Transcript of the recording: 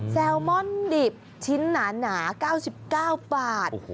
แซลมอนดิบชิ้นหนา๙๙บาท